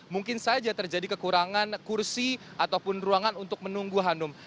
mungkin saja terjadi kekurangan kursi ataupun ruangan untuk menunggu hanum